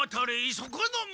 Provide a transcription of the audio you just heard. そこの者！